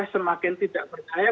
semakin tidak percaya